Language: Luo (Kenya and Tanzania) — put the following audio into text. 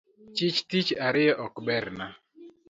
Chich tich ariyo ok berna